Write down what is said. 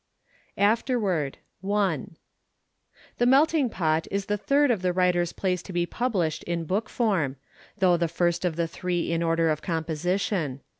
Afterword I The Melting Pot is the third of the writer's plays to be published in book form, though the first of the three in order of composition.